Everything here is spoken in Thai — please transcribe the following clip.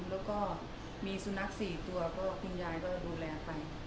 แล้วก็มีสุนัข๔ตัวก็คุณยายก็ดูแลไป